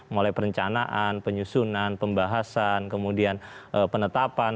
mulai perencanaan penyusunan pembahasan kemudian penetapan